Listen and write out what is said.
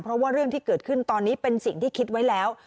เพราะว่าเรื่องที่เกิดขึ้นตอนนี้เป็นสิ่งที่คิดไว้แล้ว